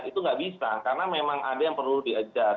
itu nggak bisa karena memang ada yang perlu diajak